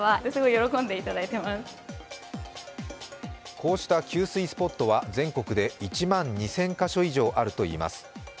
こうした給水スポットは全国で１万２０００か所以上あるといいます。